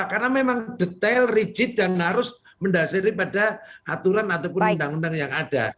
karena memang detail rigid dan harus mendasari pada aturan ataupun undang undang yang ada